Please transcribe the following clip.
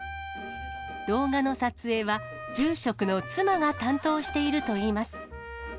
動画の撮影は、住職の妻が担当しているといいます。